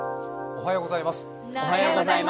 おはようございます。